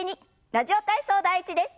「ラジオ体操第１」です。